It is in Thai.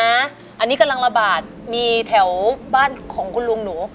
อันนี้กำลังระบาดมีแถวบ้านของคุณลุงหนู